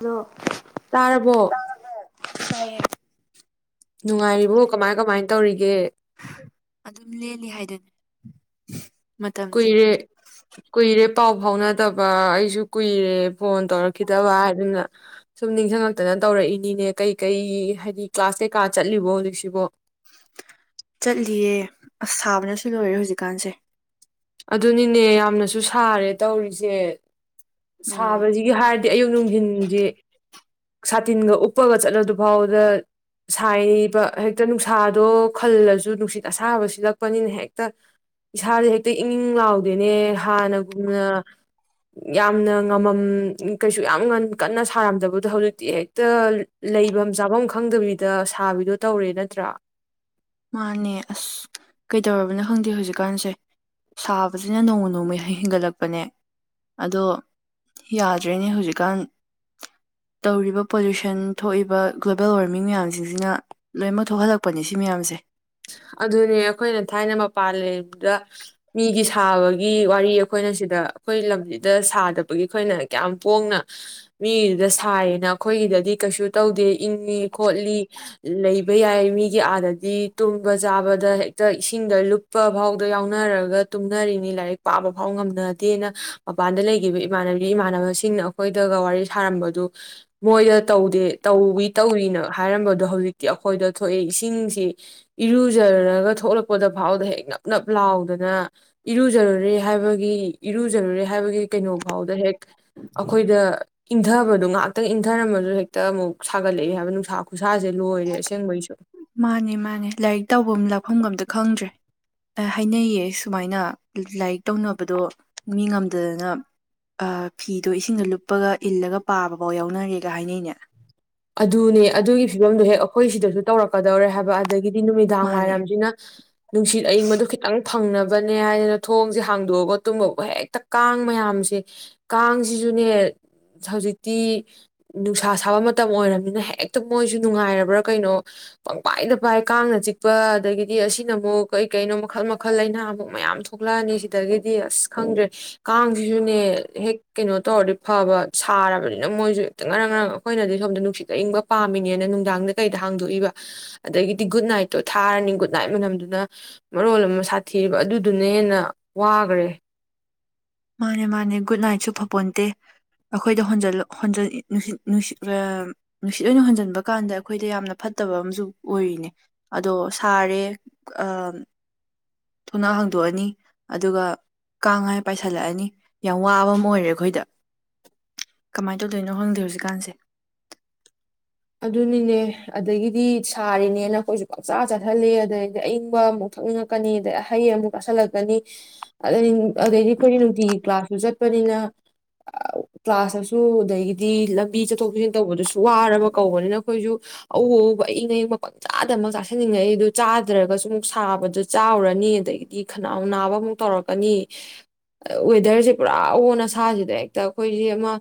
hello ꯇꯥꯔꯕꯣ ꫰ ꯇꯥꯏꯌꯦ ꯅꯨꯡꯉꯥꯏꯔꯤꯕꯣ ꯀꯃꯥꯏ ꯀꯃꯥꯏ ꯇꯧꯔꯤꯒꯦ ꯑꯗꯨꯝ ꯂꯦꯜꯂꯤ ꯍꯥꯏꯗꯨꯅꯤ ꯃꯇꯝꯁꯦ ꯀꯨꯏꯔꯦ ꯀꯏꯔꯦ ꯄꯥꯎ ꯐꯥꯎꯅꯗꯕ ꯑꯩꯁꯨ ꯀꯨꯏꯔꯦ ꯐꯣꯟ ꯇꯧꯔꯛꯈꯤꯗꯕ ꯍꯥꯏꯗꯨꯅ ꯁꯨꯝ ꯅꯤꯡꯖꯪꯉꯛꯇꯅ ꯇꯧꯔꯛꯏꯅꯤꯅꯦ ꯀꯩꯀꯩ ꯍꯥꯏꯗꯤ ꯀ꯭ꯂꯥꯁ ꯀꯩꯀꯥ ꯆꯠꯂꯤꯕꯣ ꯍꯧꯖꯤꯛꯁꯤꯕꯣ ꯆꯠꯂꯤꯌꯦ ꯑꯁ ꯁꯥꯕꯅꯁꯨ ꯂꯣꯏꯔꯦ ꯍꯧꯖꯤꯛꯀꯥꯟꯁꯦ ꯑꯗꯨꯅꯤꯅꯦ ꯌꯥꯝꯅꯁꯨ ꯁꯥꯔꯦ ꯇꯧꯔꯤꯁꯦ ꯎꯝ ꯁꯥꯕꯖꯤꯒꯤ ꯍꯥꯏꯔꯗꯤ ꯑꯌꯨꯛ ꯅꯨꯡꯗꯤꯜꯖꯦ ꯁꯥꯇꯤꯟꯒ ꯎꯞꯄꯒ ꯆꯠꯂꯗꯨꯐꯥꯎꯗ ꯁꯥꯏꯔꯤꯕ ꯍꯦꯛꯇ ꯅꯨꯡꯁꯥꯗꯣ ꯈꯜꯂꯁꯨ ꯅꯨꯡꯁꯤꯠ ꯑꯁꯥꯕ ꯁꯤꯜꯂꯛꯄꯅꯤꯅ ꯍꯦꯛꯇ ꯏꯁꯥꯁꯦ ꯍꯦꯛꯇ ꯏꯪꯪ ꯏꯪ ꯂꯥꯎꯗꯦꯅꯦ ꯍꯥꯟꯅꯒꯨꯝꯅ ꯌꯥꯝꯅ ꯉꯃꯝ ꯀꯩꯁꯨ ꯌꯥꯝ ꯀꯟꯅ ꯁꯥꯔꯝꯗꯕꯗꯣ ꯍꯧꯖꯤꯛꯇꯤ ꯍꯦꯛꯇ ꯂꯩꯕꯝ ꯆꯥꯕꯝ ꯈꯪꯗꯕꯤꯗ ꯁꯥꯕꯤꯗꯣ ꯇꯧꯔꯦ ꯅꯠꯇ꯭ꯔꯥ ꯃꯥꯅꯦ ꯑꯁ ꯀꯩꯗꯧꯔꯕꯅꯣ ꯈꯪꯗꯦ ꯍꯧꯖꯤꯛꯀꯥꯟꯁꯦ ꯁꯥꯕꯁꯤꯅ ꯅꯣꯡꯃ ꯅꯣꯡꯃ ꯍꯦꯟꯒꯠꯂꯛꯄꯅꯦ ꯑꯗꯣ ꯌꯥꯗ꯭ꯔꯦꯅꯦ ꯍꯧꯖꯤꯛꯀꯥꯟ ꯇꯧꯔꯤꯕ ꯄꯣꯂꯨꯁꯟ ꯊꯣꯛꯏꯕ ꯒ꯭ꯂꯣꯕꯦꯜ ꯋꯥꯔꯃꯤꯡ ꯃꯌꯥꯝꯁꯤꯡꯁꯤꯅ ꯂꯣꯏꯅꯃꯛ ꯊꯣꯛꯍꯜꯂꯛꯄꯅꯦ ꯁꯤ ꯃꯌꯥꯝꯁꯦ ꯑꯗꯨꯅꯦ ꯑꯩꯈꯣꯏꯅ ꯊꯥꯏꯅ ꯃꯄꯥꯟ ꯂꯝꯗ ꯃꯤꯒꯤ ꯁꯥꯕꯒꯤ ꯋꯥꯔꯤ ꯑꯩꯈꯣꯏꯅ ꯁꯤꯗ ꯑꯩꯈꯣꯏ ꯂꯝꯖꯤꯗ ꯁꯥꯗꯕꯒꯤ ꯑꯩꯈꯣꯏꯅ ꯀꯌꯥꯝ ꯄꯣꯡꯅ ꯃꯤꯗꯨꯗ ꯁꯥꯏꯌꯦꯅ ꯑꯩꯈꯣꯏꯒꯤꯗꯗꯤ ꯀꯩꯁꯨ ꯇꯧꯗꯦ ꯏꯪꯉꯤ ꯈꯣꯠꯂꯤ ꯂꯩꯕ ꯌꯥꯏ ꯃꯤꯒꯤ ꯑꯥꯗꯗꯤ ꯇꯨꯝꯕ ꯆꯥꯕꯗ ꯍꯦꯛꯇ ꯏꯁꯤꯡꯗ ꯂꯨꯞꯄ ꯐꯥꯎꯗ ꯌꯥꯎꯅꯔꯒ ꯇꯨꯝꯅꯔꯤꯅꯤ ꯂꯥꯏꯔꯤꯛ ꯄꯥꯕ ꯐꯥꯎ ꯉꯝꯅꯗꯦꯅ ꯃꯄꯥꯟꯗ ꯂꯩꯒꯤꯕ ꯏꯃꯥꯟꯅꯕꯤ ꯏꯃꯥꯟꯅꯕꯁꯤꯡꯅ ꯑꯩꯈꯣꯏꯗꯒ ꯋꯥꯔꯤ ꯁꯥꯔꯝꯕꯗꯨ ꯃꯣꯏꯗ ꯇꯧꯗꯦ ꯇꯧꯋꯤ ꯇꯧꯔꯤꯅ ꯍꯥꯏꯔꯝꯕꯗꯣ ꯍꯧꯖꯤꯛꯇꯤ ꯑꯩꯈꯣꯏꯗ ꯊꯣꯛꯑꯦ ꯏꯁꯤꯡꯁꯤ ꯏꯔꯨꯖꯔꯨꯔꯒ ꯊꯣꯛꯂꯛꯄꯗ ꯐꯥꯎꯗ ꯍꯦꯛ ꯅꯞ ꯅꯞ ꯂꯥꯎꯗꯅ ꯏꯔꯨꯖꯔꯨꯔꯦ ꯍꯥꯏꯕꯒꯤ ꯏꯔꯨꯖꯔꯨꯔꯦ ꯍꯥꯏꯕꯒꯤ ꯀꯩꯅꯣꯐꯥꯎꯗ ꯍꯦꯛ ꯑꯩꯈꯣꯏꯗ ꯏꯟꯊꯕꯗꯣ ꯉꯥꯛꯇꯪ ꯏꯟꯊꯔꯝꯃꯁꯨ ꯍꯦꯛꯇ ꯑꯃꯨꯛ ꯁꯥꯒꯠꯂꯛꯏꯦ ꯍꯥꯏꯕ ꯅꯨꯡꯁꯥ ꯈꯨꯁꯥꯁꯦ ꯂꯣꯏꯔꯦ ꯑꯁꯦꯡꯕꯩꯁꯨ ꯃꯥꯅꯦ ꯃꯥ ꯃꯥꯅꯦ [unintelligible] ꯂꯥꯏꯔꯤꯛ ꯇꯧꯕꯝ ꯂꯥꯛꯐꯝꯒ ꯑꯝꯇ ꯈꯪꯗ꯭ꯔꯦ ꯍꯥꯏꯅꯩꯌꯦ ꯁꯨꯃꯥꯏꯅ ꯂꯥꯏꯔꯤꯛ ꯇꯧꯅꯕꯗꯣ ꯃꯤ ꯉꯝꯗꯗꯅ ꯐꯤꯗꯣ ꯏꯁꯤꯡꯗ ꯂꯨꯞꯄꯒ ꯏꯜꯂꯒ ꯄꯥꯕꯐꯥꯎ ꯌꯥꯎꯅꯔꯦꯒ ꯍꯥꯏꯅꯩꯅꯦ ꯑꯗꯨꯅꯦ ꯑꯗꯨꯒꯤ ꯐꯤꯕꯝꯗꯨ ꯍꯦꯛ ꯑꯩꯈꯣꯏ ꯁꯤꯗꯁꯨ ꯇꯧꯔꯛꯀꯗꯧꯔꯦ ꯍꯥꯏꯕ ꯑꯗꯒꯤꯗꯤ ꯅꯨꯃꯤꯗꯥꯡ ꯃꯥꯅꯦ ꯋꯥꯏꯔꯝꯖꯤꯅ ꯅꯨꯡꯁꯤꯠ ꯑꯏꯪꯕꯗꯣ ꯈꯤꯇꯪ ꯐꯪꯅꯕ ꯍꯥꯏꯗꯅ ꯊꯣꯡꯁꯦ ꯍꯥꯡꯗꯣꯛꯑꯒ ꯇꯨꯝꯕꯕꯨ ꯍꯦꯛꯇ ꯀꯥꯡ ꯃꯌꯥꯝꯁꯦ ꯀꯥꯡꯁꯤꯁꯨꯅꯦ ꯍꯧꯖꯤꯛꯇꯤ ꯅꯨꯡꯁꯥ ꯁꯥꯕ ꯃꯇꯝ ꯃꯇꯝ ꯑꯣꯏꯔꯕꯅꯤꯅ ꯍꯦꯛꯇ ꯃꯣꯏꯁꯨ ꯅꯨꯡꯉꯥꯏꯔꯕ꯭ꯔꯥ ꯀꯩꯅꯣ ꯄꯪꯄꯥꯏꯗ ꯄꯥꯏ ꯀꯥꯡꯅ ꯆꯤꯛꯄ ꯑꯗꯒꯤꯗꯤ ꯑꯁꯤꯅ ꯑꯃꯨꯛ ꯀꯩ ꯀꯩꯅꯣ ꯃꯈꯜ ꯃꯈꯜ ꯂꯩꯥꯅꯥꯃꯨꯛ ꯃꯌꯥꯝ ꯊꯣꯛꯂꯛꯑꯅꯤ ꯁꯤꯗꯒꯤꯗꯤ ꯑꯁ ꯈꯪꯗ꯭ꯔꯦ ꯀꯥꯡꯁꯤꯁꯨꯅꯦ ꯍꯦꯛ ꯀꯩꯅꯣ ꯇꯧꯔꯗꯤ ꯐꯕ ꯁꯥꯔꯕꯅꯤꯅ ꯃꯣꯏꯁꯨ ꯍꯦꯛꯇ ꯉꯔꯪ ꯉꯔꯪ ꯑꯩꯈꯣꯏꯅꯗꯤ ꯁꯣꯝꯗ ꯅꯨꯡꯁꯤꯠ ꯑꯏꯪꯕ ꯄꯥꯝꯃꯤꯅꯦꯅ ꯅꯨꯡꯗꯥꯡꯗ ꯀꯩꯗ ꯍꯥꯡꯗꯣꯛꯏꯕ ꯑꯗꯒꯤꯗꯤ ꯒꯨꯠ ꯅꯥꯏꯠꯇꯣ ꯊꯥꯔꯅꯤ ꯒꯨꯠ ꯅꯥꯏꯠ ꯃꯅꯝꯗꯨꯅ ꯃꯔꯣꯜ ꯑꯃ ꯁꯥꯊꯤꯔꯤꯕ ꯑꯗꯨꯗꯨꯅ ꯍꯦꯟꯅ ꯋꯥꯒꯔꯦ ꯃꯥꯅꯦ ꯃꯥꯅꯦ ꯒꯨꯗ ꯅꯥꯏꯠꯁꯨ ꯐꯄꯣꯟꯇꯦ ꯑꯩꯈꯣꯏꯗ ꯍꯣꯟꯖ ꯍꯣꯟꯖꯜꯂꯤ ꯅꯨꯡꯁꯤ [unintelligible] [unintelligible] ꯁꯤ ꯂꯣꯏ ꯍꯣꯟꯖꯟꯕ ꯀꯥꯟꯗ ꯑꯩꯈꯣꯏꯗ ꯌꯥꯝꯅ ꯐꯠꯇꯕ ꯑꯃꯁꯨ ꯑꯣꯏꯔꯤꯅꯦ ꯑꯗꯣ ꯁꯥꯔꯦ ꯑ ꯊꯨꯅꯥꯎ ꯍꯥꯡꯗꯣꯛꯑꯅꯤ ꯑꯗꯨꯒ ꯀꯥꯡꯉꯥꯏ ꯄꯥꯏꯁꯤꯜꯂꯛꯑꯅꯤ ꯌꯥꯝ ꯋꯥꯕ ꯑꯃ ꯑꯣꯏꯔꯦ ꯑꯩꯈꯣꯏꯗ ꯀꯃꯥꯏ ꯇꯧꯗꯣꯏꯅꯣ ꯈꯪꯗꯦ ꯍꯧꯖꯤꯛꯀꯥꯟꯁꯦ ꯑꯗꯨꯅꯤꯅꯦ ꯑꯗꯒꯤꯗꯤ ꯁꯥꯔꯤꯅꯦꯅ ꯑꯩꯈꯣꯏꯁꯨ ꯄꯥꯛꯆꯥ ꯆꯥꯁꯤꯜꯂ ꯑꯗꯩꯗꯤ ꯑꯏꯪꯕ ꯑꯃꯨꯛ ꯊꯛꯅꯤꯡꯉꯛꯀꯅꯤ ꯑꯗꯩ ꯑꯍꯩ ꯑꯃꯨꯛ ꯆꯥꯥꯁꯜꯂꯛꯀꯅꯤ ꯑꯗꯩ ꯑꯗꯩꯗꯤ ꯑꯩꯈꯣꯏꯅ ꯅꯨꯡꯇꯤꯒꯤ ꯀ꯭ꯂꯥꯁꯁꯨ ꯆꯠꯄꯅꯤꯅ ꯀ꯭ꯂꯥꯁꯇꯁꯨ ꯑꯗꯒꯤꯗꯤ ꯂꯝꯕꯤ ꯆꯠꯊꯣꯛ ꯆꯠꯁꯤꯟ ꯇꯧꯕꯗꯨꯁꯨ ꯋꯥꯔꯕ ꯀꯧꯕꯅꯤꯅ ꯑꯩꯈꯣꯏꯁꯨ ꯑꯎ ꯑꯎꯕ ꯑꯏꯪ ꯑꯏꯪꯕ ꯄꯪ ꯆꯥꯗꯃꯛ ꯆꯥꯁꯤꯟꯅꯤꯡꯉꯛꯏ ꯑꯗꯨ ꯆꯥꯗ꯭ꯔꯒꯁꯨ ꯑꯃꯨꯛ ꯁꯥꯕꯗ ꯆꯥꯎꯔꯅꯤ ꯑꯗꯒꯤꯗꯤ ꯈꯅꯥꯎ ꯅꯥꯕ ꯑꯃꯨꯛ ꯇꯧꯔꯛꯀꯅꯤ ꯋꯦꯗꯔꯁꯦ ꯄꯨꯔꯥ ꯑꯑꯣꯟ ꯑꯁꯥꯁꯤꯗ ꯍꯦꯛꯇ ꯑꯩꯈꯣꯏꯁꯦ ꯑꯃ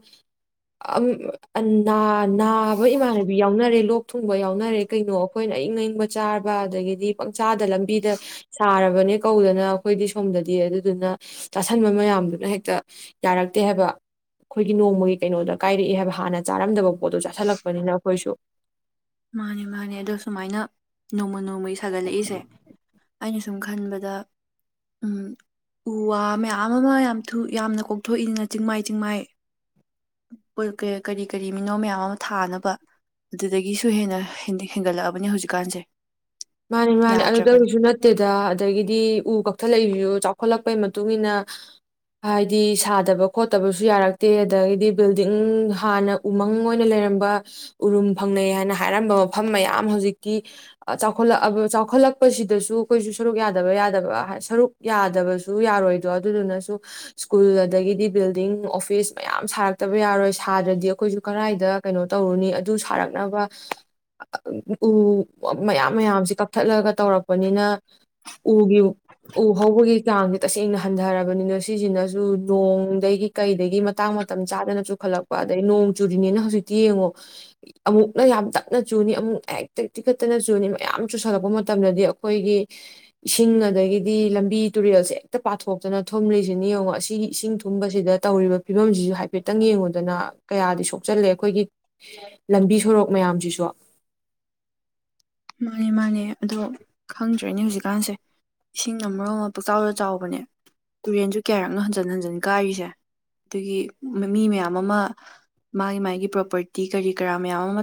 ꯅꯥ ꯅꯥ ꯑꯩꯕꯣꯏ [unintelligible] ꯏꯃꯥꯟꯅꯕꯤ ꯌꯥꯎꯅꯔꯦ ꯂꯣꯛ ꯊꯨꯡꯕ ꯌꯥꯎꯅꯔꯦ ꯀꯩꯅꯣ ꯑꯩꯈꯣꯏꯅ ꯑꯏꯪ ꯑꯏꯪꯕ ꯆꯥꯔꯕ ꯑꯗꯒꯤꯗꯤ ꯄꯪꯆꯥꯗ ꯂꯝꯕꯤꯗ ꯁꯥꯔꯕꯅꯦ ꯀꯧꯗꯅ ꯑꯩꯈꯣꯏꯗꯤ ꯁꯣꯝꯗꯗꯤ ꯑꯗꯨꯗꯨꯅ ꯆꯥꯁꯟꯕ ꯃꯌꯥꯝꯗꯨꯅ ꯍꯦꯛꯇ ꯌꯥꯔꯛꯇꯦ ꯍꯥꯏꯕ ꯑꯩꯈꯣꯏꯒꯤ ꯅꯣꯡꯃꯒꯤ ꯀꯩꯅꯣꯗ ꯀꯥꯏꯔꯛꯏ ꯍꯥꯏꯕ ꯍꯥꯟꯅ ꯆꯥꯔꯝꯗꯕ ꯄꯣꯠꯇꯣ ꯆꯥꯥꯁꯜꯂꯛ ꯄꯅꯤꯅ ꯑꯈꯣꯏꯁꯨ ꯃꯥꯅꯦ ꯃꯥꯅꯦ ꯑꯗꯣ ꯁꯨꯃꯥꯏꯅ ꯅꯣꯡꯃ ꯅꯣꯡꯃꯒꯤ ꯁꯥꯒꯠꯂꯛꯏꯁꯦ ꯑꯩꯅ ꯁꯨꯝ ꯈꯟꯕꯗ ꯎꯝ ꯎ ꯋꯥ ꯃꯌꯥꯝ ꯑꯃ ꯌꯥꯝ ꯊꯨꯅ ꯌꯥꯝꯅ ꯀꯣꯛꯊꯣꯛꯏꯅ ꯆꯤꯡꯃꯥꯏ ꯆꯤꯡꯃꯥꯏ ꯀꯔꯤ ꯀꯔꯤ ꯃꯤꯅꯣ ꯃꯌꯥꯝ ꯑꯃ ꯊꯥꯅꯕ ꯑꯗꯨꯗꯒꯤꯁꯨ ꯍꯦꯟꯅ ꯍꯦꯟꯒꯠꯂꯛꯑꯕꯅꯦ ꯍꯧꯖꯤꯛꯀꯥꯟꯖꯦ ꯃꯥꯅꯤ ꯃꯥꯅꯤ ꯑꯗꯨꯗꯩꯁꯨ ꯅꯠꯇꯦꯗ ꯑꯗꯒꯤꯗꯤ ꯎ ꯀꯛꯊꯠꯂꯛꯏꯁꯨ ꯆꯥꯎꯈꯠꯂꯛ ꯄꯩ ꯃꯇꯨꯡꯏꯟꯅ ꯍꯥꯏꯗꯤ ꯁꯥꯗꯕ ꯈꯣꯠꯇꯕꯁꯨ ꯌꯥꯔꯛꯇꯦ ꯑꯗꯒꯤꯗꯤ ꯕꯤꯜꯗꯤꯡ ꯍꯥꯟꯅ ꯎꯃꯪ ꯑꯣꯏꯅ ꯂꯩꯔꯝꯕ ꯎꯔꯨꯝ ꯐꯪꯅꯩ ꯍꯥꯏꯅ ꯍꯥꯏꯔꯝꯕ ꯃꯐꯝ ꯃꯌꯥꯝ ꯍꯧꯖꯤꯛꯇꯤ ꯆꯥꯎ ꯆꯥꯎꯈꯠꯂꯛꯑꯕ ꯆꯥꯎꯈꯠꯂꯛꯄꯁꯤꯗꯁꯨ ꯑꯩꯈꯣꯏꯁꯨ ꯁꯔꯨꯛ ꯌꯥꯗꯕ ꯌꯥꯗꯕ ꯁꯔꯨꯛ ꯌꯥꯗꯕꯁꯨ ꯌꯥꯔꯣꯏꯗꯣ ꯑꯗꯨꯗꯨꯅꯁꯨ ꯁ꯭ꯀꯨꯜ ꯑꯗꯒꯤꯗꯤ ꯕꯤꯜꯗꯤꯡ ꯑꯣꯐꯤꯁ ꯃꯌꯥꯝ ꯁꯥꯔꯛꯇꯕ ꯌꯥꯔꯣꯏ ꯁꯥꯗ꯭ꯔꯗꯤ ꯑꯩꯈꯣꯏꯁꯨ ꯀꯗꯥꯥꯏꯏꯗ ꯀꯩꯅꯣ ꯇꯧꯔꯨꯅꯤ ꯑꯗꯨ ꯁꯥꯔꯛꯅꯕ ꯎ ꯃꯌꯥꯝ ꯃꯌꯥꯝꯁꯦ ꯀꯛꯊꯠꯂꯒ ꯇꯧꯔꯛꯄꯅꯤꯅ ꯎꯒꯤ ꯎ ꯍꯧꯕꯒꯤ ꯆꯥꯡꯁꯦ ꯇꯁꯦꯡꯅ ꯍꯟꯗꯔꯕꯅꯤꯅ ꯁꯤꯁꯤꯅꯁꯨ ꯅꯣꯡꯗꯒꯤ ꯀꯩꯗꯒꯤ ꯃꯇꯥꯡ ꯃꯇꯝ ꯆꯥꯗꯅ ꯆꯨꯈꯠꯂꯛꯄ ꯑꯗꯩ ꯅꯣꯡ ꯆꯨꯔꯤꯅꯤꯅ ꯍꯧꯖꯤꯛꯇꯤ ꯌꯦꯡꯉꯣ ꯑꯃꯨꯛꯅ ꯌꯥꯝ ꯇꯞꯅ ꯆꯨꯅꯤ ꯑꯃꯨꯛꯅ ꯍꯦꯛꯇ ꯇꯤꯈꯠꯇꯅ ꯆꯨꯅꯤ ꯃꯌꯥꯝ ꯆꯨꯁꯜꯂꯛꯄ ꯃꯇꯝꯗꯗꯤ ꯑꯈꯣꯏꯒꯤ ꯏꯁꯤꯡ ꯑꯗꯒꯤꯗꯤ ꯂꯝꯕꯤ ꯇꯨꯔꯦꯜꯁꯦ ꯍꯦꯛꯇ ꯄꯥꯊꯣꯛꯇꯅ ꯊꯨꯝꯂꯤꯁꯤꯅꯤ ꯌꯦꯡꯉꯣ ꯑꯁꯤꯒꯤ ꯏꯁꯤꯡ ꯊꯨꯝꯕꯁꯤꯗ ꯇꯧꯔꯤꯕ ꯐꯤꯕꯝꯁꯤꯁꯨ ꯍꯥꯏꯐꯦꯠꯇꯪ ꯌꯦꯡꯉꯨꯗꯅ ꯀꯌꯥꯗꯤ ꯁꯣꯛꯆꯜꯂꯦ ꯑꯩꯈꯣꯏꯒꯤ ꯂꯝꯕꯤ ꯁꯣꯔꯣꯛ ꯃꯌꯥꯝꯁꯤꯁꯨ ꯃꯥꯅꯦ ꯃꯥꯅꯦ ꯑꯗꯣ ꯈꯪꯗ꯭ꯔꯦꯅꯦ ꯍꯧꯖꯤꯛꯀꯥꯟꯁꯦ ꯏꯁꯤꯡꯅ ꯃꯔꯣꯜ ꯑꯃ ꯄꯪꯆꯥꯎꯗ ꯆꯥꯎꯕꯅꯦ ꯇꯨꯔꯦꯟꯁꯨ ꯀꯌꯥꯔꯛꯅꯣ ꯍꯟꯖꯟ ꯍꯟꯖꯟ ꯀꯥꯏꯔꯤꯁꯦ ꯑꯗꯒꯤ ꯃꯤ ꯃꯌꯥꯝ ꯑꯃ ꯃꯥꯒꯤ ꯃꯥꯒꯤ ꯄ꯭ꯔꯣꯄꯔꯇꯤ ꯀꯔꯤ ꯀꯔꯥ ꯃꯌꯥꯝ ꯑꯃ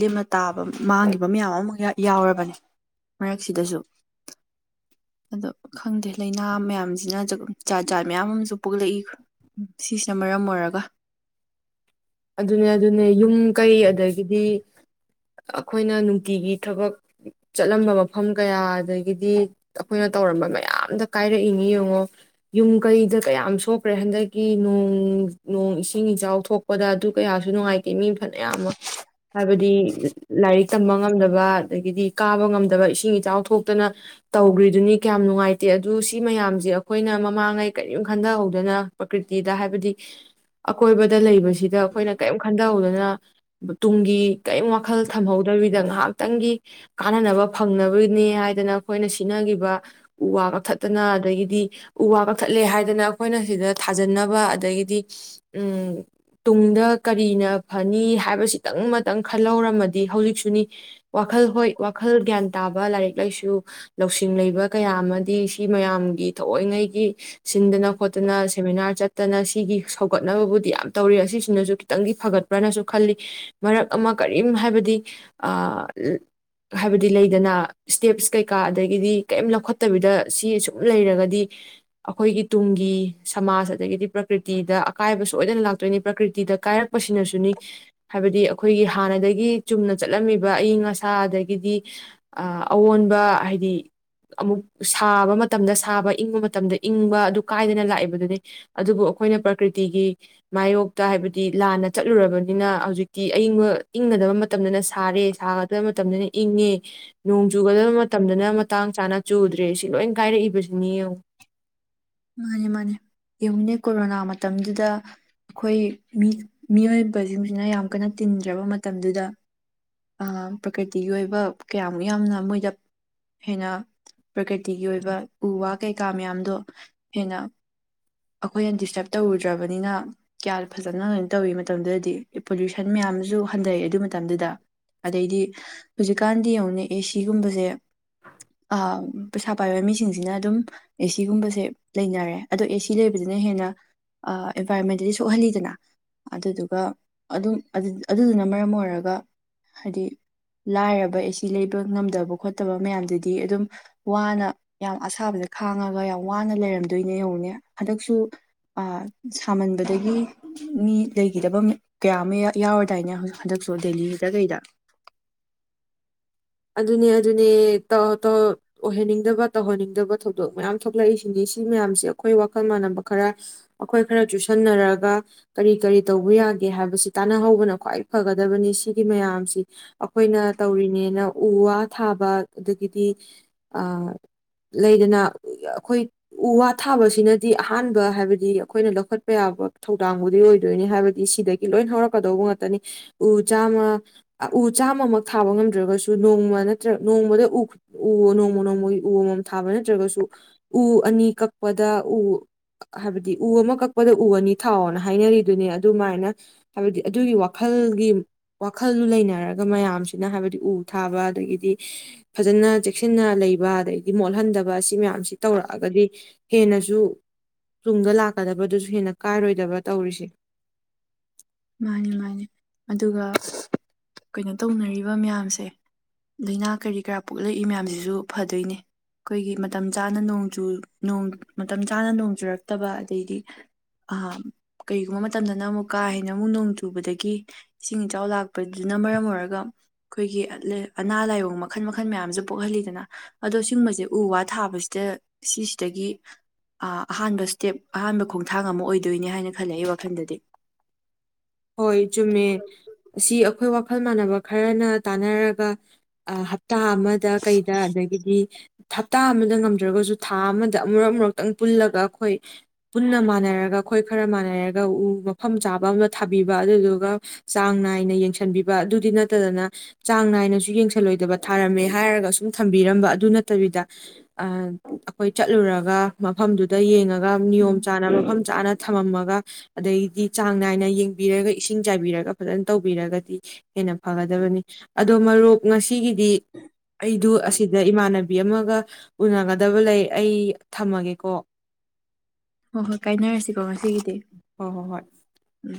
ꯂꯦꯝꯅ ꯇꯥꯕ ꯃꯥꯡꯒꯤꯕ ꯌꯥꯎꯔꯕꯅꯤ ꯃꯔꯛꯁꯤꯗꯁꯨ ꯑꯗꯣ ꯈꯪꯗꯦ ꯂꯩꯅꯥ ꯃꯌꯥꯝꯁꯤꯅ ꯖꯥꯠ ꯖꯥꯠ ꯃꯌꯥꯝ ꯑꯃꯁꯨ ꯄꯣꯛꯂꯛꯏ ꯁꯤꯁꯤꯅ ꯃꯔꯝ ꯑꯣꯏꯔꯒ ꯑꯗꯨꯅꯦ ꯑꯗꯨꯅꯦ ꯌꯨꯝ ꯀꯩ ꯑꯗꯒꯤꯗꯤ ꯑꯈꯣꯏꯅ ꯅꯨꯡꯇꯤꯒꯤ ꯊꯕꯛ ꯆꯠꯂꯝꯕ ꯃꯐꯝ ꯀꯌꯥ ꯑꯗꯒꯤꯗꯤ ꯑꯩꯈꯣꯏꯅ ꯇꯧꯔꯝꯕ ꯃꯌꯥꯝꯗ ꯀꯥꯏꯔꯛꯏꯅꯤ ꯌꯦꯡꯉꯣ ꯌꯨꯝ ꯀꯩꯗ ꯀꯌꯥꯝ ꯁꯣꯛꯈ꯭ꯔꯦ ꯍꯟꯗꯛꯀꯤ ꯅꯣꯡ ꯅꯣꯡ ꯏꯁꯤꯡ ꯏꯆꯥꯎ ꯊꯣꯛ ꯄꯗ ꯑꯗꯨ ꯀꯌꯥꯁꯨ ꯅꯨꯡꯉꯥꯏꯇꯦ ꯃꯤ ꯐꯅꯌꯥꯝ ꯑꯃ ꯍꯥꯏꯕꯗꯤ ꯂꯥꯏꯔꯤꯛ ꯇꯝꯕ ꯉꯝꯗꯕ ꯑꯗꯒꯤꯗꯤ ꯀꯥꯕ ꯉꯝꯗꯕ ꯏꯁꯤꯡ ꯏꯆꯥꯎ ꯊꯣꯛꯇꯅ ꯇꯧꯒ꯭ꯔꯤꯗꯨꯅꯤ ꯀꯌꯥꯝ ꯅꯨꯡꯉꯥꯏꯇꯦ ꯑꯗꯨ ꯁꯤ ꯃꯌꯥꯝꯖꯦ ꯑꯈꯣꯏꯅ ꯃꯃꯥꯡꯉꯩ ꯀꯔꯤꯝ ꯈꯟꯗꯍꯧꯗꯅ ꯄ꯭ꯔꯀꯤꯔꯤꯇꯤꯗ ꯍꯥꯏꯕꯗꯤ ꯑꯀꯣꯏꯕꯗ ꯂꯩꯕꯁꯤ ꯁꯤꯗ ꯑꯩꯈꯣꯏꯅ ꯀꯔꯤꯝ ꯈꯟꯊꯍꯧꯗꯅ ꯇꯨꯡꯒꯤ ꯀꯔꯤꯝ ꯋꯥꯈꯜ ꯊꯝꯍꯧꯗꯕꯤꯗ ꯉꯥꯏꯍꯥꯛꯇꯪꯒꯤ ꯀꯥꯟꯅꯅꯕ ꯐꯪꯅꯕꯅꯦ ꯍꯥꯏꯗꯅ ꯑꯩꯈꯣꯏꯅ ꯁꯤꯖꯤꯟꯅꯈꯤꯕ ꯎ ꯋꯥ ꯀꯛꯊꯠꯇꯅ ꯑꯗꯒꯤꯗꯤ ꯎ ꯋꯥ ꯀꯛꯊꯠꯂꯦ ꯍꯥꯏꯗꯅ ꯑꯩꯈꯣꯏꯅ ꯁꯤꯗ ꯊꯥꯖꯟꯅꯕ ꯑꯗꯒꯤꯗꯤ ꯎꯝ ꯇꯨꯡꯗ ꯀꯔꯤꯅ ꯐꯅꯤ ꯍꯥꯏꯕꯁꯤꯇꯪ ꯑꯃꯇꯪ ꯈꯜꯍꯧꯔꯝꯃꯗꯤ ꯍꯧꯖꯤꯛꯁꯨꯅꯤ ꯋꯥꯈꯜ ꯍꯣꯏ ꯋꯥꯈꯜ ꯒ꯭ꯌꯥꯟ ꯇꯥꯕ ꯂꯥꯏꯔꯤꯛ ꯂꯥꯏꯁꯨ ꯂꯧꯁꯤꯡ ꯂꯩꯕ ꯀꯌꯥ ꯑꯃꯗꯤ ꯁꯤ ꯃꯌꯥꯝꯒꯤ ꯊꯑꯣꯏꯉꯩꯒꯤ ꯁꯤꯟꯗꯅ ꯈꯣꯠꯇꯅ ꯁꯦꯃꯤꯅꯥꯔ ꯆꯠꯇꯅ ꯁꯤꯒꯤ ꯁꯧꯒꯠꯅꯕꯕꯨꯗꯤ ꯌꯥꯝ ꯇꯧꯔꯤ ꯑꯁꯤꯁꯤꯅꯁꯨ ꯈꯤꯇꯪꯗꯤ ꯐꯒꯠꯄ꯭ꯔꯅꯁꯨ ꯈꯜꯂꯤ ꯃꯔꯛ ꯑꯃ ꯀꯔꯤꯝ ꯍꯥꯏꯕꯗꯤ ꯍꯥꯏꯕꯗꯤ ꯂꯩꯗꯅ ꯁ꯭ꯇꯦꯞꯁ ꯀꯩꯀꯥ ꯑꯗꯒꯤꯗꯤ ꯀꯔꯤꯝ ꯂꯧꯈꯠꯇꯕꯤꯗ ꯁꯤꯁꯨꯝ ꯂꯩꯔꯒꯗꯤ ꯑꯩꯈꯣꯏꯒꯤ ꯇꯨꯡꯒꯤ ꯁꯃꯥꯖ ꯑꯗꯒꯤꯗꯤ ꯄ꯭ꯔꯀ꯭ꯇꯤꯗ ꯑꯀꯥꯏꯕ ꯁꯣꯏꯗꯅ ꯂꯥꯛ ꯑꯗꯨꯣꯏꯅꯤ ꯄ꯭ꯔꯀꯤꯇꯤꯗ ꯀꯥꯏꯔꯛꯄꯁꯤꯅꯁꯨꯅꯤ ꯍꯥꯏꯕꯗꯤ ꯑꯩꯈꯣꯏꯒꯤ ꯍꯥꯟꯅꯗꯒꯤ ꯆꯨꯝꯅ ꯆꯠꯂꯝꯃꯤꯕ ꯑꯏꯪ ꯑꯁꯥ ꯑꯗꯒꯤꯗꯤ ꯑ ꯑꯑꯣꯟꯕ ꯍꯥꯏꯗꯤ ꯑꯃꯨꯛ ꯁꯥꯕ ꯃꯇꯝꯗ ꯁꯥꯕ ꯏꯪꯕ ꯃꯇꯝꯗ ꯏꯪꯕ ꯑꯗꯨ ꯀꯥꯏꯗꯅ ꯂꯥꯛꯏꯕꯗꯨꯅꯤ ꯑꯗꯨꯕꯨ ꯑꯩꯈꯣꯏꯅ ꯄ꯭ꯔꯀꯤ꯭ꯇꯤꯒꯤ ꯃꯥꯌꯣꯛꯇ ꯍꯥꯏꯕꯗꯤ ꯂꯥꯟꯅ ꯆꯠꯂꯨꯔꯕꯅꯤꯅ ꯍꯧꯖꯤꯛꯇꯤ ꯑꯏꯪꯕ ꯏꯪꯒꯗꯕ ꯃꯇꯝꯗꯅ ꯁꯥꯔꯦ ꯁꯥꯒꯗꯕ ꯃꯇꯝꯗꯅ ꯏꯪꯉꯦ ꯅꯣꯡ ꯆꯨꯒꯗꯕ ꯃꯇꯝꯗꯅ ꯃꯇꯥꯡ ꯆꯥꯅ ꯆꯨꯗ꯭ꯔꯦ ꯁꯤ ꯂꯣꯏ ꯀꯥꯏꯔꯛꯏꯕꯁꯤꯅꯤ ꯌꯦꯡꯉꯣ ꯃꯥꯅꯤ ꯃꯥꯅꯦ ꯌꯦꯡꯉꯤꯅꯦ ꯀꯣꯔꯣꯅꯥ ꯃꯇꯝꯗꯨꯗ ꯑꯩꯈꯣꯏ ꯃꯤ ꯃꯤꯑꯣꯏꯕꯁꯤꯡꯁꯤꯅ ꯌꯥꯝ ꯀꯟꯅ ꯇꯤꯟꯗ꯭ꯔꯕ ꯃꯇꯝꯗꯨꯗ ꯄ꯭ꯔꯀꯤꯇꯤꯒꯤ ꯑꯣꯏꯕ ꯀꯌꯥꯃꯨꯛ ꯌꯥꯝꯅ ꯃꯣꯏꯗ ꯍꯦꯟꯅ ꯄ꯭ꯔꯀꯤꯇꯤꯒꯤ ꯑꯣꯏꯕ ꯎ ꯋꯥ ꯀꯩꯀꯥ ꯃꯌꯥꯝꯗꯣ ꯍꯦꯟꯅ ꯑꯩꯈꯣꯏꯅ ꯗꯤꯁꯇꯔꯕ ꯇꯧꯔꯨꯗ꯭ꯔꯕꯅꯤꯅ ꯀꯌꯥ ꯐꯖꯅ ꯀꯩꯅ ꯇꯧꯋꯤ ꯃꯇꯝꯗꯨꯗꯗꯤ ꯄꯣꯂꯨꯁꯟ ꯃꯌꯥꯝꯁꯨ ꯍꯟꯊꯔꯛꯑꯦ ꯑꯗꯨ ꯃꯇꯝꯗꯨꯗ ꯑꯗꯩꯗꯤ ꯍꯧꯖꯤꯛꯀꯥꯟꯗꯤ ꯑꯃꯡꯉꯅ ꯑꯦ ꯁꯤꯒꯨꯝꯕꯁꯦ ꯄꯩꯁꯥ ꯄꯥꯏꯕ ꯃꯤꯁꯤꯡꯁꯤꯅ ꯑꯗꯨꯝ ꯑꯦꯁꯤꯒꯨꯝꯕꯁꯦ ꯂꯩꯅꯔꯦ ꯑꯗꯣ ꯑꯦꯁꯤ ꯁꯤ ꯂꯩꯕꯗꯨꯅ ꯍꯦꯟꯅ ꯑꯦꯟꯚꯥꯏꯔꯣꯟꯃꯦꯟꯗꯗꯤ ꯁꯣꯛꯍꯜꯂꯤꯗꯅ ꯑꯗꯨꯗꯨꯒ ꯑꯗꯨꯝ ꯑꯗꯨꯗꯨꯅ ꯃꯔꯝ ꯑꯣꯏꯔꯒ ꯍꯥꯏꯗꯤ ꯂꯥꯏꯔꯕ ꯑꯦꯁꯤ ꯂꯩꯕ ꯉꯝꯗꯕ ꯈꯣꯠꯇꯕ ꯃꯌꯥꯝꯗꯨꯗꯤ ꯑꯗꯨꯝ ꯋꯥꯅ ꯌꯥꯝ ꯑꯁꯥꯕꯗ ꯈꯥꯡꯉꯒ ꯌꯥꯝ ꯋꯥꯅ ꯂꯩꯔꯝꯗꯣꯏꯅꯦ ꯌꯦꯡꯉꯣ ꯍꯟꯗꯛꯁꯨ ꯁꯥꯃꯟꯕꯗꯒꯤ ꯃꯤ ꯂꯩꯈꯤꯗꯕ ꯀꯌꯥ ꯑꯃ ꯌꯥꯎꯔꯗꯥꯏꯅꯦꯛ ꯍꯟꯗꯛꯁꯨ ꯗꯦꯜꯂꯤꯗ ꯀꯩꯗ ꯑꯗꯨꯅꯦ ꯑꯗꯨꯅꯦ ꯑꯣꯏꯍꯟꯅꯤꯡꯗꯕ ꯇꯧꯍꯟꯅꯤꯡꯗꯕ ꯊꯧꯗꯣꯛ ꯃꯌꯥꯝ ꯊꯣꯛꯂꯛꯏꯁꯤꯅꯤ ꯁꯤ ꯃꯌꯥꯝꯁꯤꯦ ꯑꯩꯈꯣꯏ ꯋꯥꯈꯜ ꯃꯥꯟꯅꯕ ꯈꯔ ꯑꯩꯈꯣꯏ ꯈꯔ ꯆꯨꯁꯟꯅꯔꯒ ꯀꯔꯤ ꯀꯔꯤ ꯇꯧꯕ ꯌꯥꯒꯦ ꯍꯥꯏꯕꯁꯤ ꯇꯥꯟꯅꯍꯧꯕꯅ ꯈ꯭ꯋꯥꯏ ꯐꯒꯗꯕꯅꯤ ꯁꯤꯒꯤ ꯃꯌꯥꯝꯁꯤ ꯑꯩꯈꯣꯏꯅ ꯇꯧꯔꯤꯅꯦꯅ ꯎ ꯋꯥ ꯊꯥꯕ ꯑꯗꯒꯤꯗꯤ ꯂꯩꯗꯅ ꯑꯩꯈꯣꯏ ꯎ ꯋꯥ ꯊꯥꯕꯁꯤꯅꯗꯤ ꯑꯍꯥꯟꯕ ꯍꯥꯏꯕꯗꯤ ꯑꯩꯈꯣꯏꯅ ꯂꯧꯈꯠꯄ ꯌꯥꯕ ꯊꯧꯗꯥꯡꯕꯨꯗꯤ ꯑꯣꯏꯗꯣꯏꯅꯤ ꯍꯥꯏꯕꯗꯤ ꯁꯤꯗꯒꯤ ꯂꯣꯏ ꯍꯧꯔꯛꯀꯗꯧꯕ ꯉꯥꯛꯇꯅꯤ ꯎ ꯆꯥꯝꯃ ꯎ ꯆꯥꯝꯃꯃꯛ ꯊꯥꯕ ꯉꯝꯗ꯭ꯔꯒꯁꯨ ꯅꯣꯡꯃ ꯅꯠꯇ꯭ꯔ ꯅꯣꯡꯃꯗ ꯎ ꯎ ꯅꯣꯡꯃ ꯅꯣꯡꯃꯒꯤ ꯎ ꯑꯃꯃꯝ ꯊꯥꯕ ꯅꯠꯇ꯭ꯔꯒꯁꯨ ꯎ ꯑꯅꯤ ꯀꯛꯄꯗ ꯎ ꯍꯥꯏꯕꯗꯤ ꯎ ꯑꯃ ꯀꯛꯄꯗ ꯎ ꯑꯅꯤ ꯊꯥꯎꯅ ꯍꯥꯏꯅꯔꯤꯗꯨꯅꯦ ꯑꯗꯨꯃꯥꯏꯅ ꯍꯥꯏꯕꯗꯤ ꯑꯗꯨꯒꯤ ꯋꯥꯈꯜꯒꯤ ꯋꯥꯈꯜꯗꯨ ꯂꯩꯅꯔꯒ ꯃꯌꯥꯝꯁꯤꯅ ꯍꯥꯏꯕꯗꯤ ꯎ ꯊꯥꯕ ꯑꯗꯒꯤꯗꯤ ꯐꯖꯅ ꯆꯦꯛꯁꯤꯟꯅ ꯂꯩꯕ ꯑꯗꯗꯒꯤꯗꯤ ꯃꯣꯠꯍꯟꯗꯕ ꯑꯁꯤ ꯃꯌꯥꯝꯁꯤ ꯇꯧꯔꯛꯑꯒꯗꯤ ꯍꯦꯟꯅꯁꯨ ꯇꯨꯡꯗ ꯂꯥꯛꯀꯗꯕꯗꯨꯁꯨ ꯍꯦꯟꯅ ꯀꯥꯏꯔꯣꯏꯗꯕ ꯇꯧꯔꯤꯁꯦ ꯃꯥꯅꯤ ꯃꯥꯅꯤ ꯑꯗꯨꯒ ꯀꯩꯅꯣ ꯇꯧꯅꯔꯤꯕ ꯃꯌꯥꯝꯁꯦ ꯂꯥꯏꯅꯥ ꯀꯔꯤ ꯀꯔꯥ ꯄꯣꯛꯂꯛꯏ ꯃꯌꯥꯝꯁꯤꯁꯨ ꯐꯗꯣꯏꯅꯦ ꯑꯩꯈꯣꯏꯒꯤ ꯃꯇꯝ ꯆꯥꯅꯣꯡꯨ ꯃꯇꯝ ꯆꯥꯅ ꯅꯣꯡ ꯆꯨꯔꯛꯇꯕ ꯑꯗꯩꯗꯤ ꯀꯔꯤꯒꯨꯝꯕ ꯃꯇꯝꯗꯅ ꯑꯃꯨꯛ ꯀꯥ ꯍꯦ ꯑꯩꯅꯃꯨꯛ ꯅꯣꯡ ꯆꯨꯕꯗꯒꯤ ꯏꯁꯤꯡ ꯏꯆꯥꯎ ꯂꯥꯛꯄꯗꯨꯅ ꯃꯔꯝ ꯑꯣꯏꯔꯒ ꯑꯩꯈꯣꯏꯒꯤ ꯑꯅꯥ ꯂꯥꯏꯑꯣꯡ ꯃꯈꯜ ꯃꯈꯜ ꯃꯌꯥꯝꯁꯨ ꯄꯣꯛꯍꯜꯂꯤꯗꯅ ꯑꯗꯣ ꯁꯤꯒꯨꯝꯕꯁꯦ ꯎ ꯋꯥ ꯊꯥꯕꯁꯤꯗ ꯁꯤꯁꯤꯗꯒꯤ ꯑꯍꯥꯟꯕ ꯏꯁꯇꯦꯞ ꯑꯍꯥꯟꯕ ꯈꯣꯡꯊꯥꯡ ꯑꯃ ꯑꯣꯏꯗꯣꯏꯅꯦ ꯍꯥꯏꯅ ꯈꯜꯂꯦ ꯑꯩ ꯋꯥꯈꯜꯗꯗꯤ ꯍꯣꯏ ꯆꯃꯦ ꯑꯁꯤ ꯑꯩꯈꯣꯏ ꯋꯥꯈꯜ ꯃꯥꯟꯅꯕ ꯈꯔꯅ ꯇꯥꯟꯅꯔꯒꯞ ꯇꯥ ꯑꯃꯗ ꯀꯩꯗ ꯑꯗꯒꯤꯗꯤ ꯍꯞꯇꯥ ꯑꯃꯗ ꯉꯝꯗ꯭ꯔꯒꯁꯨ ꯊꯥ ꯑꯃꯗ ꯑꯃꯨꯔꯛ ꯑꯃꯨꯔꯛꯇꯪ ꯄꯨꯜꯂꯒ ꯑꯩꯈꯣꯏ ꯄꯨꯟꯅ ꯃꯥꯟꯅꯔꯒ ꯑꯩꯈꯣꯏ ꯈꯔ ꯃꯥꯟꯅꯔꯒ ꯎ ꯃꯐꯝ ꯆꯥꯕ ꯑꯃ ꯊꯥꯕꯤꯕ ꯑꯗꯨꯗꯨꯒ ꯆꯥꯡ ꯅꯥꯏꯅ ꯌꯦꯡꯁꯟꯕꯤꯕ ꯑꯗꯨꯗꯤ ꯅꯠꯇꯗꯅ ꯆꯥꯡ ꯅꯥꯏꯅꯁꯨ ꯌꯦꯡꯁꯜꯂꯣꯏꯗꯕ ꯊꯥꯔꯝꯃꯦ ꯍꯥꯏꯔꯒ ꯁꯨꯝ ꯊꯝꯕꯤꯔꯝꯕ ꯑꯗꯨ ꯅꯠꯇꯕꯤꯗ ꯑꯩꯈꯣꯏ ꯆꯠꯂꯨꯔꯒ ꯃꯐꯝꯗꯨꯗ ꯅꯤꯌꯣꯝ ꯎꯝ ꯆꯥꯅ ꯃꯐꯝ ꯆꯥꯅ ꯊꯝꯃꯝꯃꯒ ꯑꯗꯩꯗꯤ ꯆꯥꯡ ꯅꯥꯏꯅ ꯌꯦꯡꯕꯤꯔꯒ ꯏꯁꯤꯡ ꯆꯥꯏꯕꯤꯔꯒ ꯐꯖꯅ ꯇꯧꯕꯤꯔꯒꯗꯤ ꯍꯦꯟꯅ ꯐꯒꯗꯕꯅꯤ ꯑꯗꯣ ꯃꯔꯨꯞ ꯉꯁꯤꯒꯤꯗꯤ ꯑꯩꯗꯨ ꯑꯁꯤꯗ ꯏꯃꯥꯟꯅꯕꯤ ꯑꯃꯒ ꯎꯅꯒꯗꯕ ꯂꯩ ꯑꯩ ꯊꯝꯃꯒꯦꯀꯣ ꯍꯣꯏ ꯍꯣꯏ ꯀꯥꯏꯅꯔꯁꯤꯀꯣ ꯉꯁꯤꯒꯤꯗꯤ ꯍꯣꯏ ꯍꯣꯏ ꯍꯣꯏ ꯎꯝ